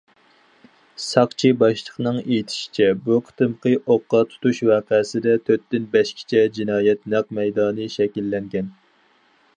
ساقچى باشلىقىنىڭ ئېيتىشىچە، بۇ قېتىمقى ئوققا تۇتۇش ۋەقەسىدە تۆتتىن بەشكىچە جىنايەت نەق مەيدانى شەكىللەنگەن.